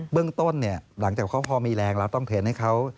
เรื่องต้นหลังจากเขาพอมีแรงเราต้องเทรนให้เขา